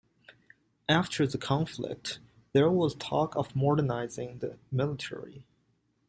After the conflict, there was talk of modernising the military.